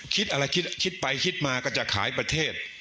คิดไปคิดมาก็จะขายประเทศ